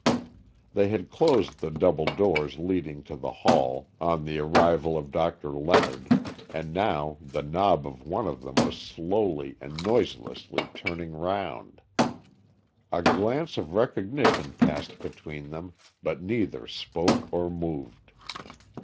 They had closed the double doors leading to the hall, on the arrival of Doctor Leonard, and now the knob of one of them was slowly and noiselessly turning round. A glance of recognition passed between them, but neither spoke or moved.